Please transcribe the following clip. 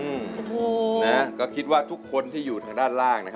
อืมก็คิดว่าทุกคนที่อยู่ทางด้านล่าง